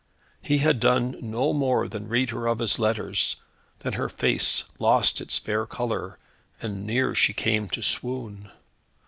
He had done no more than read her of his letters, than her face lost its fair colour, and near she came to swoon.